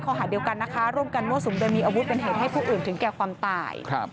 ข้อหาเดียวกันนะคะร่วมกันมั่วสุมโดยมีอาวุธเป็นเหตุให้ผู้อื่นถึงแก่ความตาย